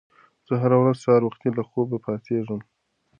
زه هره ورځ سهار وختي له خوبه پاڅېږم.